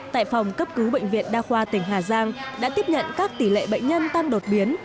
tại phòng cấp cứu bệnh viện đa khoa tỉnh hà giang đã tiếp nhận các tỷ lệ bệnh nhân tăng đột biến